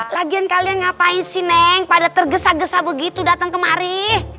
lagian kalian ngapain si neng pada tergesa gesa begitu datang kemari